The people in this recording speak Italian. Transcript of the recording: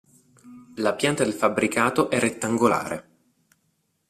La pianta del fabbricato è rettangolare.